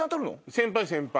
先輩先輩。